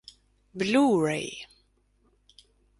Blue Ray